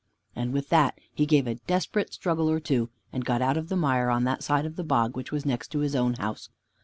And with that he gave a desperate struggle or two, and got out of the mire on that side of the bog which was next to his own house.